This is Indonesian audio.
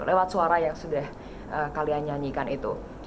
lewat suara yang sudah kalian nyanyikan itu